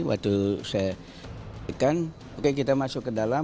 waktu saya menerima kita masuk ke dalam